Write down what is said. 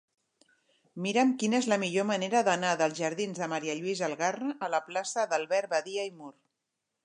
Mira'm quina és la millor manera d'anar dels jardins de Ma. Lluïsa Algarra a la plaça d'Albert Badia i Mur.